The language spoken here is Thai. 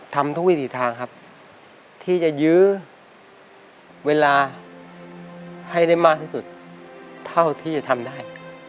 ทำทุกวิถีทางครับที่จะยื้อเวลาให้ได้มากที่สุดเท่าที่จะทำได้